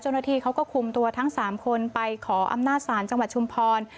เจ้าหน้าที่เขาก็คุมตัวทั้ง๓คนไปขออำนาจศาลจังหวัดชุมพร